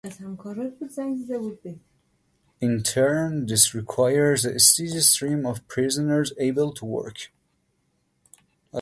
In turn, this requires a steady stream of prisoners able to work.